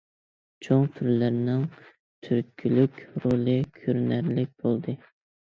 چوڭ تۈرلەرنىڭ تۈرتكۈلۈك رولى كۆرۈنەرلىك بولدى.